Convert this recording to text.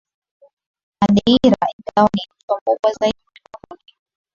Madeira Ingawa ni mto mkubwa zaidi ulimwenguni